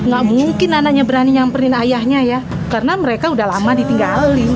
gak mungkin anaknya berani nyamperin ayahnya ya karena mereka udah lama ditinggalin